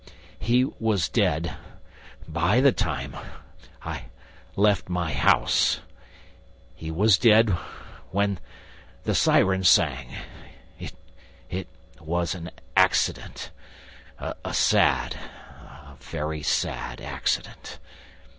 He was dead ... by the time ... I left my house ... he was dead ... when ... the siren sang ... It was an ... accident ... a sad ... a very sad ... accident.